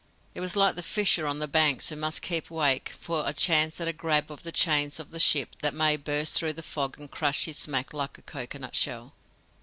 It was like the fisher on the banks who must keep awake for a chance at a grab at the chains of the ship that may burst through the fog and crush his smack like a coconut shell.